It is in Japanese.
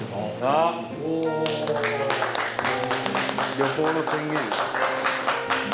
旅行の宣言。